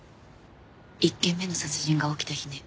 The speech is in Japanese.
１件目の殺人が起きた日ね。